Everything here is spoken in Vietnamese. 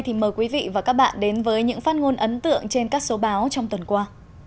thì mời quý vị và các bạn đến với những phát ngôn ấn tượng trên các số báo trong tuần qua